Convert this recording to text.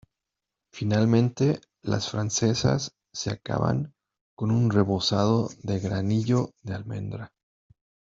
Finalmente, las "francesas" se acaban con un rebozado de granillo de almendra.